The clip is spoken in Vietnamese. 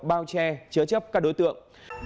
bao che chớ chấp các đối tượng